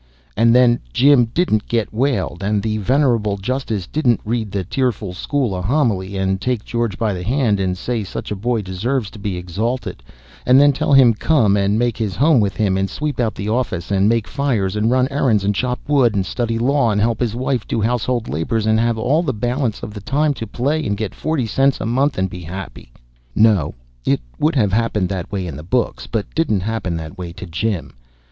And then Jim didn't get whaled, and the venerable justice didn't read the tearful school a homily, and take George by the hand and say such a boy deserved to be exalted, and then tell him to come and make his home with him, and sweep out the office, and make fires, and run errands, and chop wood, and study law, and help his wife do household labors, and have all the balance of the time to play, and get forty cents a month, and be happy. No; it would have happened that way in the books, but didn't happen that way to Jim.